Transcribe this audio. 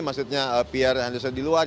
maksudnya pierre anderson di luar